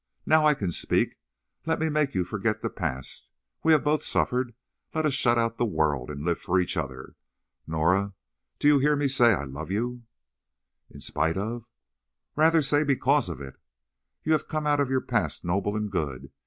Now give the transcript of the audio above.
Now I can speak. Let me make you forget the past. We have both suffered; let us shut out the world, and live for each other. Norah, do you hear me say I love you?" "In spite of—" "Rather say because of it. You have come out of your past noble and good.